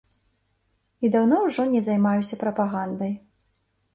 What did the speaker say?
І даўно ўжо не займаюся прапагандай.